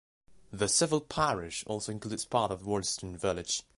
The civil parish also includes part of Worleston village.